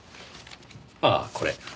ああこれ。